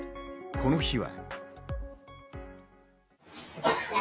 この日は。